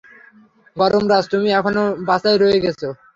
গরম, - রাজ, তুমি এখনো বাচ্চাই রয়ে গেছো।